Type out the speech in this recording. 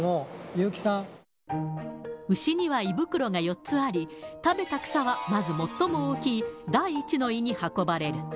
牛には胃袋が４つあり、食べた草はまず最も大きい第１の胃に運ばれる。